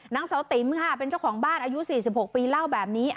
นางเสาติ๋มค่ะเป็นเจ้าของบ้านอายุ๔๖ปีเล่าแบบนี้